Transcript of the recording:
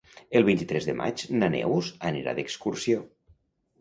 El vint-i-tres de maig na Neus anirà d'excursió.